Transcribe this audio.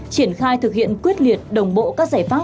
triển khai thực hiện quyết liệt đồng bộ các giải pháp